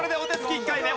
１回目。